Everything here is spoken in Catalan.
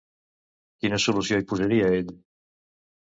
Quina solució hi posaria, ell?